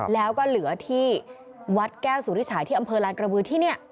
แล้วก็เหลือที่วัดแก้วสุริฉายที่อำเภอลานกระบือที่นี่